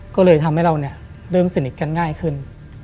ก็เลยทำให้เราร่ับสนิทกันง่ายขึ้น